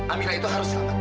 amira itu harus selamat